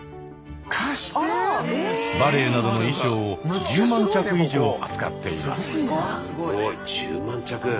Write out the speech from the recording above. バレエなどの衣装を１０万着以上扱っています。